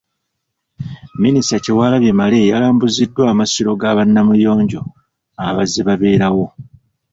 Minisita Kyewalabye Male yalambuziddwa amasiro ga ba Namuyonjo abazze babeerawo.